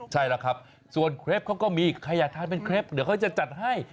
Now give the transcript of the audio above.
ใช่ล่ะครับส่วนเครปเขาก็มีใครอยากทานเป็นเคล็ปเดี๋ยวเขาจะจัดให้